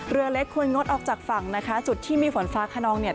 เรือเล็กควรงดออกจากฝั่งนะคะจุดที่มีฝนฟ้าขนองเนี่ย